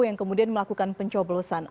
yang kemudian melakukan pencoblosan